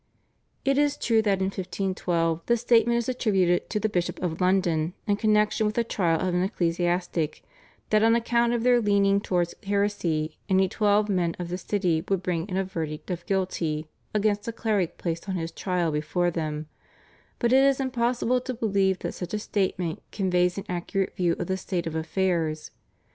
It is true that in 1512 the statement is attributed to the Bishop of London in connexion with the trial of an ecclesiastic, that on account of their leaning towards heresy any twelve men of the city would bring in a verdict of guilty against a cleric placed on his trial before them, but it is impossible to believe that such a statement conveys an accurate view of the state of affairs.